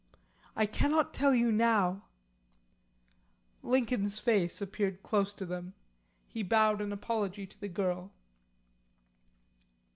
"I cannot tell you now." Lincoln's face appeared close to them. He bowed an apology to the girl.